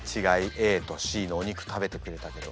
ＡとＣのお肉食べてくれたけど。